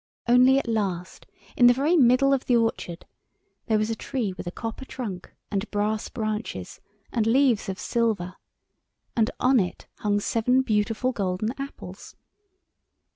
Only at last, in the very middle of the orchard there was a tree with a copper trunk and brass branches, and leaves of silver. And on it hung seven beautiful golden apples.